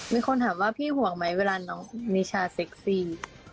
มีคนถามว่าพี่ห่วงไหมเวลาน้องนิชาเซ็กซี่